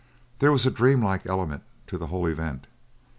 There was a dreamlike element to the whole event.